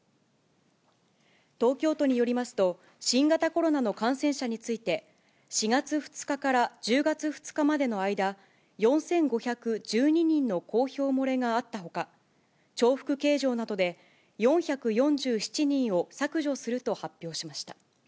東京都によりますと、新型コロナの感染者について、４月２日から１０月２日までの間、４５１２人の公表漏れがあったほか、重複計上などで４４７人を削除すると発表しました。